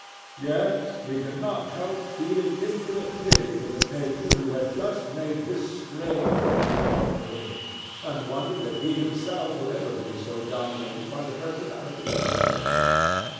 Yet he could not help feeling infinite pity for the painter who had just made this strange confession to him, and wondered if he himself would ever be so dominated by the personality of a friend.